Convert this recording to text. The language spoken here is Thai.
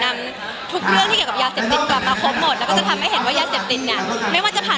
การที่เขาให้เกียรติมาด้วยว่าไม่ใช่แบบรวบหัวรูปห่างรวบรัดเหล่า